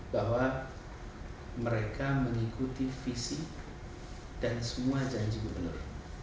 bahwa mereka mengikuti visi dan semua janji gubernur